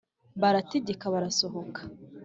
baratéreka barasohoka